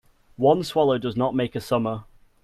One swallow does not make a summer.